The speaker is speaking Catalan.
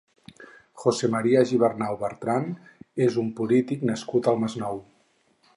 José María Gibernáu Bertrán és un polític nascut al Masnou.